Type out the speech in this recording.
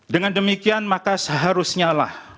dengan demikian maka seharusnya lah